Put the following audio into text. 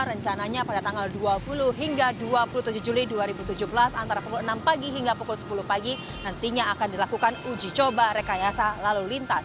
rencananya pada tanggal dua puluh hingga dua puluh tujuh juli dua ribu tujuh belas antara pukul enam pagi hingga pukul sepuluh pagi nantinya akan dilakukan uji coba rekayasa lalu lintas